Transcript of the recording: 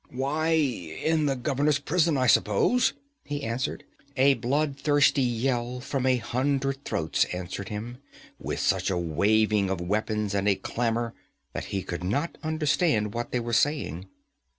'Why, in the governor's prison, I suppose,' he answered. A bloodthirsty yell from a hundred throats answered him, with such a waving of weapons and a clamor that he could not understand what they were saying.